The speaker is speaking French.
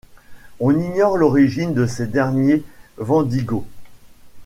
On ignore l'origine de ces derniers Wendigos.